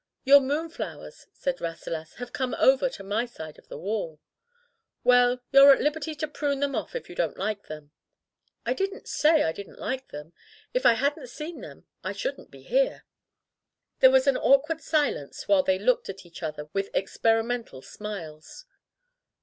"Your moonflowers,*' said Rasselas, "have come over to my side of the wall/' "Well, you're at liberty to prune them off if you don't like them." "I didn't say I didn't like them. If I hadn't seen them I shouldn't be here." There was an awkward silence while they looked at each other with experimental smiles.